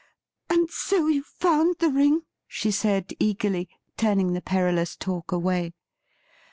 And so you found that ring ?' she said eagerly, turning the perilous talk away.